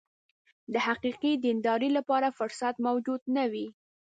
د حقیقي دیندارۍ لپاره فرصت موجود نه وي.